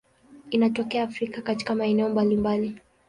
Inatokea Afrika katika maeneo mbalimbali.